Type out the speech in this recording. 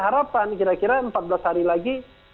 harapan kira kira empat belas hari lagi